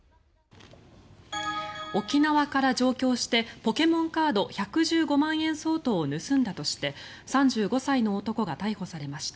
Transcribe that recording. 沖縄から上京してポケモンカード１１５万円相当を盗んだとして３５歳の男が逮捕されました。